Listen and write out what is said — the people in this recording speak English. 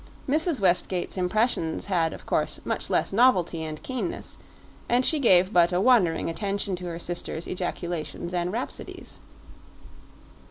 Mrs. Westgate's impressions had, of course, much less novelty and keenness, and she gave but a wandering attention to her sister's ejaculations and rhapsodies.